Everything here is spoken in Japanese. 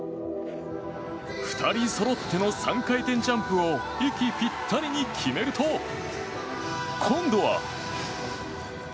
２人そろっての３回転ジャンプを息ぴったりに決めると今度は。